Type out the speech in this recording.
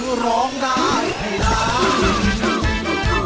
คือร้องได้ให้ร้าน